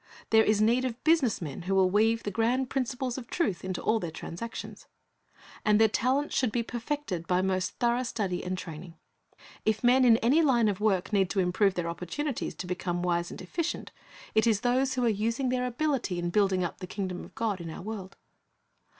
There is need of business men who will weave the grand principles of truth into all their transactions. And their talents should be perfected by most thorough study and training. If men in any line of work need to improve their opportunities to become wise and efficient, it is those Ta I e nt s 351 who are using their abiUty in building up the kingdom of God in our world.